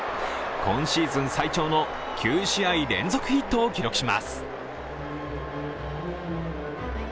今シーズン最長の９試合連続ヒットを記録します。